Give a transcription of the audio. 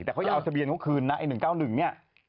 แต่เขาจะเอาทะเบียนเขาคืนนะไอ้๑๙๑เนี่ย